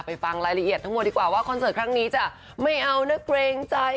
ฟังรายละเอียดทั้งหมดดีกว่าว่าคอนเสิร์ตครั้งนี้จะไม่เอานะเกรงใจ